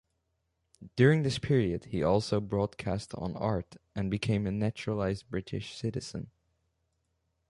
During this period he also broadcast on art and became a naturalised British citizen.